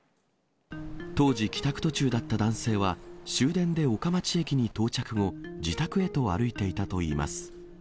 当時、帰宅途中だった男性は、終電で岡町駅に到着後、自宅へと歩いていたといいます。